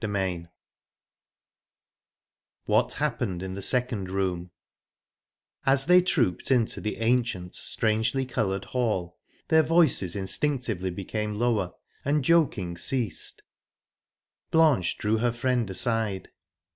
Chapter IX WHAT HAPPENED IN THE SECOND ROOM As they trooped into the ancient, strangely coloured hall their voices instinctively became lower and joking ceased. Blanche drew her friend aside.